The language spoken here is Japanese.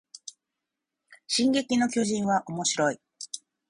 進撃の巨人はおもしろい